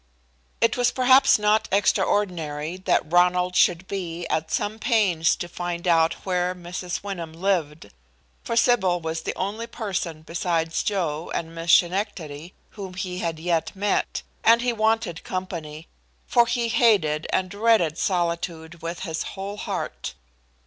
It was perhaps not extraordinary that Ronald should be at some pains to find out where Mrs. Wyndham lived, for Sybil was the only person besides Joe and Miss Schenectady whom he had yet met, and he wanted company, for he hated and dreaded solitude with his whole heart.